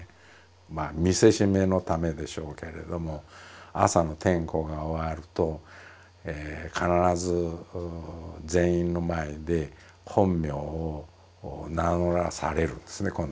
まあ見せしめのためでしょうけれども朝の点呼が終わると必ず全員の前で本名を名乗らされるんですね今度は逆に。